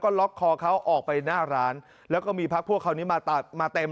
ล็อกคอเขาออกไปหน้าร้านแล้วก็มีพักพวกคราวนี้มามาเต็ม